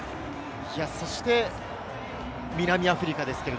そして南アフリカ。